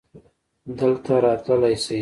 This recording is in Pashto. دلته راتللی شې؟